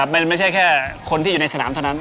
มันไม่ใช่แค่คนที่อยู่ในสนามเท่านั้น